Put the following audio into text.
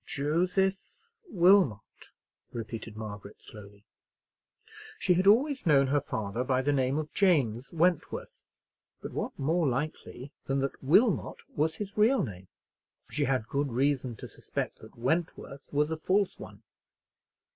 "Joseph Wilmot!" repeated Margaret, slowly. She had always known her father by the name of James Wentworth; but what more likely than that Wilmot was his real name! She had good reason to suspect that Wentworth was a false one.